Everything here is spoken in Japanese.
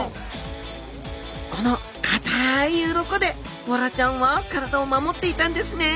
このかたいウロコでボラちゃんは体を守っていたんですね。